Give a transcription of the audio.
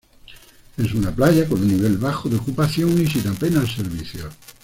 Es una playa con un nivel bajo de ocupación y sin apenas servicios.